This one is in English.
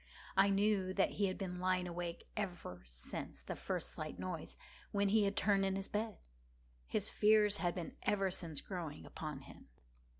I knew that he had been lying awake ever since the first slight noise, when he had turned in the bed. His fears had been ever since growing upon him.